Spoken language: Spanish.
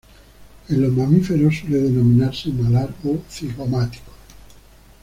En los mamíferos suele denominarse malar o cigomático.